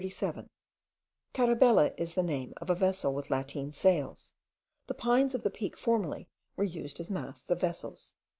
Carabela is the name of a vessel with lateen sails. The pines of the peak formerly were used as masts of vessels.)